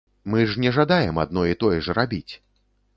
Мы ж не жадаем адно і тое ж рабіць!